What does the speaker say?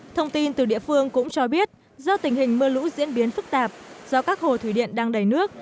thông tin từ địa phương cũng cho biết do tình hình mưa lũ diễn biến phức tạp do các hồ thủy điện đang đầy nước